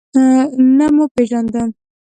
نه مو پیژانده.